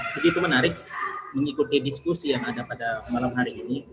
begitu menarik mengikuti diskusi yang ada pada malam hari ini